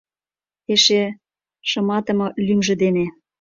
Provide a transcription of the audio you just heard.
Эше шыматыме лӱмжӧ дене.